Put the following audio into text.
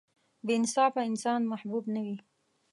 • بې انصافه انسان محبوب نه وي.